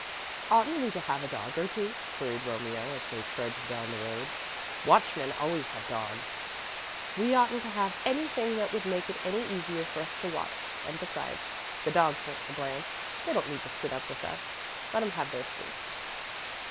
"Oughtn't we to have a dog or two?" queried Romeo, as they trudged down the road. "Watchmen always have dogs." "We oughtn't to have anything that would make it any easier for us to watch, and besides, the dogs weren't to blame. They don't need to sit up with us let 'em have their sleep."